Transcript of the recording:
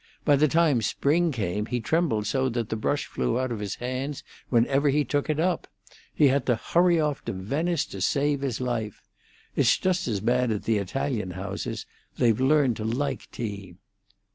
By the time spring came he trembled so that the brush flew out of his hands when he took it up. He had to hurry off to Venice to save his life. It's just as bad at the Italian houses; they've learned to like tea."